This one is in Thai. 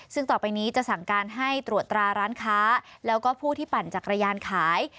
ซึ่งต่อไปนี้จะสั่งการให้ตรวจตราร้านค้าแล้วก็ผู้ที่ปั่นจักรยานขาย